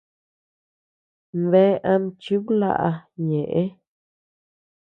Bea ama chiblaʼa ñeʼë.